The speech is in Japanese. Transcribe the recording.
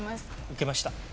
受けました。